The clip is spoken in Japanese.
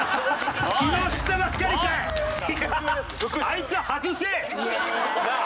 あいつ外せ！なあ！